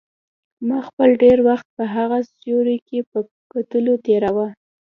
ما خپل ډېر وخت په هغه سوري کې په کتلو تېراوه.